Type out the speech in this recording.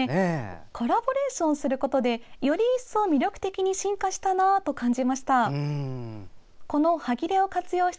コラボレーションすることでより一層魅力的に進化したなと感じました。